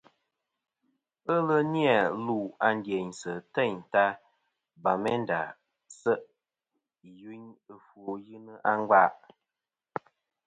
Ghelɨ ni-a lu a ndiynsɨ̀ teyn ta Bamenda se' i yuyn i ɨfwo yɨnɨ a ngva.